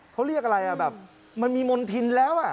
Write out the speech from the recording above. เขาเรียกอะไรมันมีมนถิ่นแล้ว